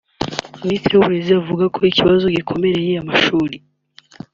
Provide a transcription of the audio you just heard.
Ministeri y’uburezi ivuga ko ikibazo gikomereye amashuri